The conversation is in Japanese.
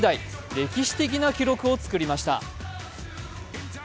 歴史的な記録を作りました。